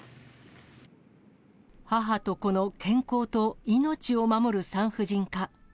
母と子の健康と命を守る産婦人科。